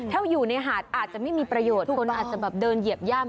ถ้าอยู่ในหาดอาจจะไม่มีประโยชน์คนอาจจะแบบเดินเหยียบย่ำ